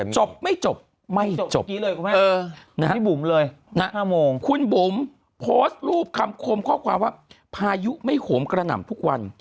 จบไม่จบไม่จบเลยคุณบุ๋มโพสต์รูปคำคมข้อความว่าพายุไม่โหมกระหน่ำทุกวัน